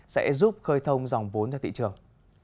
sẽ giúp khơi thông dòng vốn cho thị trường